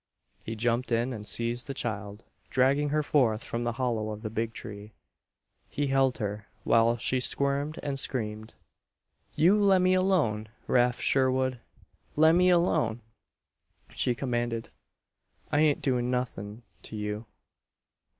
He jumped in and seized the child, dragging her forth from the hollow of the big tree. He held her, while she squirmed and screamed. "You lemme alone, Rafe Sherwood! Lemme alone!" she commanded. "I ain't doin' nothin' to you."